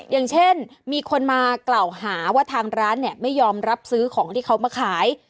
อย่างเช่นมีคนมากล่าวหาว่าทางร้านเนี่ยไม่ยอมรับซื้อของที่เขามาขาย